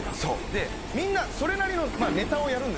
でみんなそれなりのネタをやるんですよ